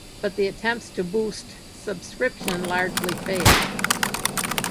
But the attempts to boost subscription largely failed.